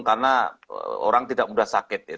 karena orang tidak mudah sakit